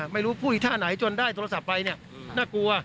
ไม่รู้พูดอีกท่าไหนจนได้โทรศัพท์ไปเนี่ยน่ากลัว